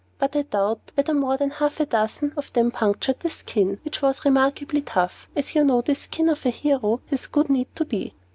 But I doubt whether more than half a dozen of them punctured the skin, which was remarkably tough, as you know the skin of a hero has good need to be.